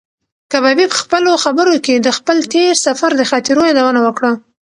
کبابي په خپلو خبرو کې د خپل تېر سفر د خاطرو یادونه وکړه.